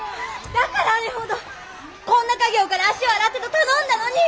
だからあれほどこんな稼業から足を洗ってと頼んだのに。